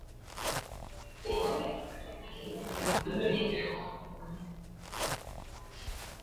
walikuwa wakipiga mishale na mikuki yao huku wakitamka neno mashe